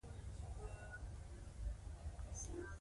تولید باید د بازار په اساس تنظیم شي.